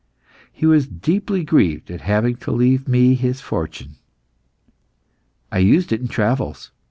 He was deeply grieved at having to leave me his fortune. I used it in travels.